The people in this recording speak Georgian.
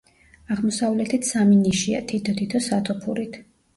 აღმოსავლეთით სამი ნიშია, თითო-თითო სათოფურით.